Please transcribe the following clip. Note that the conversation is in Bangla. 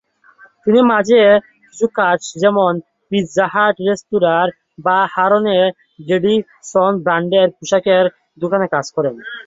তিনি মাঝে কিছু কাজ যেমন পিৎজা হাট রেস্তোরায় বা হারলে-ডেভিডসন ব্র্যান্ডের পোশাকের দোকানে কাজ করেন।